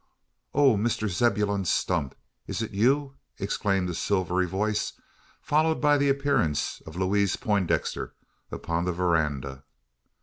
"Oh, Mr Zebulon Stump, is it you?" exclaimed a silvery voice, followed by the appearance of Louise Poindexter upon the verandah.